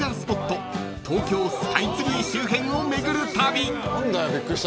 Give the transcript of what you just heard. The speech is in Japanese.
東京スカイツリー周辺を巡る旅］